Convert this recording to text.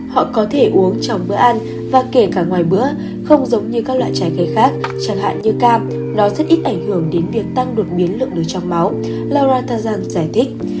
họ có thể uống trong bữa ăn và kể cả ngoài bữa không giống như các loại trái cây khác chẳng hạn như cam nó rất ít ảnh hưởng đến việc tăng đột biến lượng đồi trong máu larazan giải thích